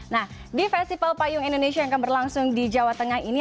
nah di festival payung indonesia yang akan berlangsung di jawa tengah ini